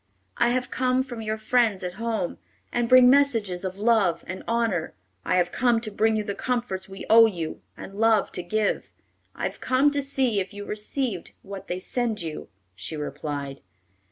"I have come from your friends at home, and bring messages of love and honor. I have come to bring you the comforts we owe you, and love to give. I've come to see if you receive what they send you," she replied.